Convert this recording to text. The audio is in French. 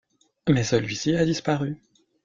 Mais celui-ci a disparu.